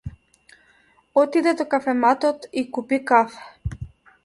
Отиде до кафематот и купи кафе.